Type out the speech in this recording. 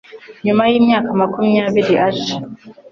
Nyuma y'imyaka makumyabiri aje